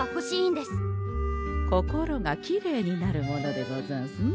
心がきれいになるものでござんすね。